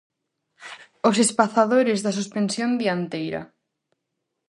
Os espazadores da suspensión dianteira.